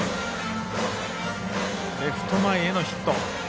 レフト前へのヒット。